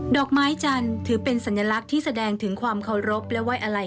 ดอกไม้จันทร์ถือเป็นสัญลักษณ์ที่แสดงถึงความเคารพและไว้อะไร